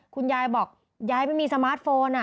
คุณยายบอกยายไม่มีสมาร์ทโฟน